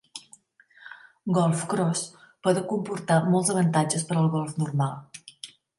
GolfCross pot comportar molts avantatges per al golf normal.